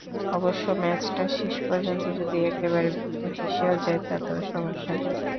অবশ্য ম্যাচটা শেষ পর্যন্ত যদি একেবারে ভেসেও যায়, তাতেও সমস্যা নেই।